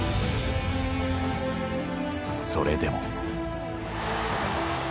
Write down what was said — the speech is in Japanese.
それでも。